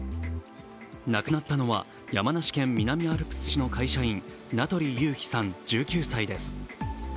亡くなったのは、山梨県南アルプス市の会社員、名取雄飛さん、１９歳です。